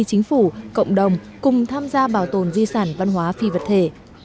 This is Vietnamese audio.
chính phủ cộng đồng cùng tham gia bảo tồn di sản văn hóa phi vật thể